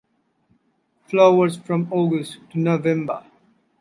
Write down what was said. Flowers from August to November.